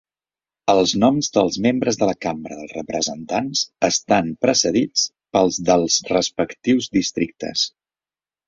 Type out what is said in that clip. Els noms dels membres de la Cambra dels Representants estan precedits pels dels respectius districtes.